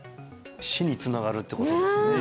死につながるってことですね